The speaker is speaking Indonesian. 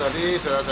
naik apa ke sana